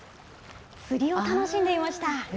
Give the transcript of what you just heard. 釣りを楽しんでいました。